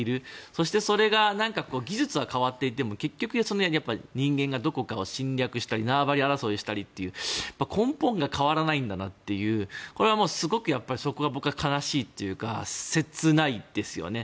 そして、それが技術は変わってでも結局人間がどこかを侵略したり縄張り争いしたりという根本が変わらないんだなというそこが僕は悲しいというか切ないですよね。